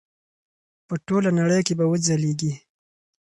په ټوله نړۍ کې به وځلیږي.